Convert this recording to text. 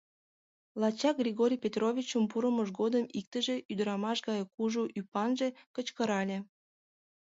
Лачак Григорий Петровичын пурымыж годым иктыже, ӱдырамаш гай кужу ӱпанже, кычкырале: